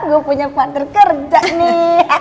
gue punya partner kerja nih